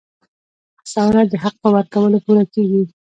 هڅونه د حق په ورکولو پوره کېږي.